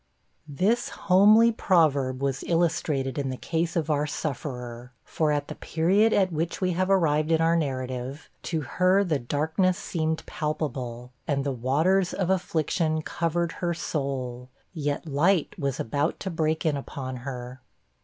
This homely proverb was illustrated in the case of our sufferer; for, at the period at which we have arrived in our narrative, to her the darkness seemed palpable, and the waters of affliction covered her soul; yet light was about to break in upon her.